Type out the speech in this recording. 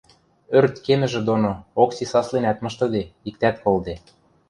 Ӧрт кемӹжӹ доно Окси сасленӓт мыштыде, иктӓт колде...